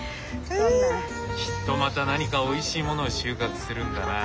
きっとまた何かおいしいものを収穫するんだな。